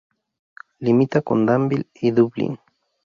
Limita con Danville, y Dublin.